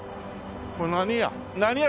これ何屋？